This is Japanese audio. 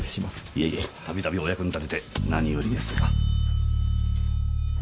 いえいえたびたびお役に立てて何よりです。